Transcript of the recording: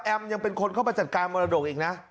ยังเป็นคนเข้ามาจัดการมรดกอีกนะ